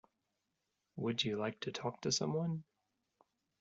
Would you like to talk to someone?